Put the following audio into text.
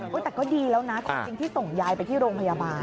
แต่ก็ดีแล้วนะจริงที่ส่งยายไปที่โรงพยาบาล